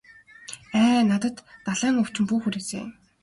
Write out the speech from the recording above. Ай надад далайн өвчин бүү хүрээсэй.